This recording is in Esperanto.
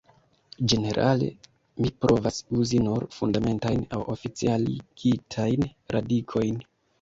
Ĝenerale mi provas uzi nur Fundamentajn aŭ oficialigitajn radikojn.